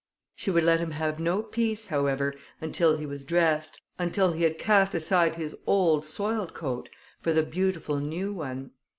She would let him have no peace, however, until he was dressed; until he had cast aside his old soiled coat, for the beautiful new one.